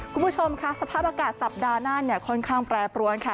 คุณผู้ชมค่ะสภาพอากาศสัปดาห์หน้าเนี่ยค่อนข้างแปรปรวนค่ะ